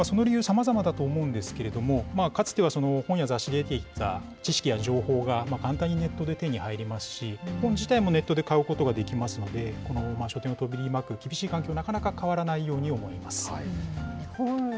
その理由、さまざまだと思うんですけれども、かつては本や雑誌で得ていた知識や情報が簡単にネットで手に入りますし、本自体もネットで買うことができますので、書店を取り巻く厳しい環境、なかなか変わらないように思います。